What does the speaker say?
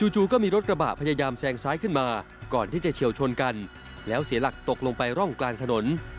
จู่ก็มีรถกระบะพยายามแซงซ้ายขึ้นมาก่อนที่จะเฉียวชนกันแล้วเสียหลักตกลงไปร่องกลางถนน